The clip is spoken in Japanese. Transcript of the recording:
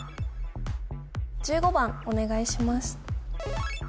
１５番お願いします